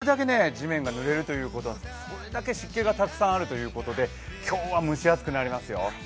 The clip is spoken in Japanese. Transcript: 今日は天気は崩れないんですけど、これだけ地面がぬれるということはそれだけ湿気がたくさんあるということで、今日は蒸し暑くなりますよ。